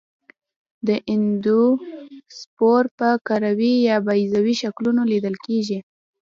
دا اندوسپور په کروي یا بیضوي شکلونو لیدل کیږي.